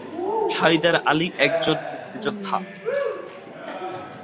হায়দার আলী একজন মুক্তিযোদ্ধা।